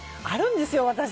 あるんですよ、私。